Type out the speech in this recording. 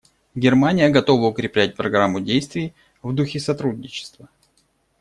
Германия готова укреплять Программу действий в духе сотрудничества.